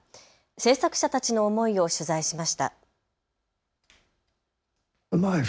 制作者たちの思いを取材しました。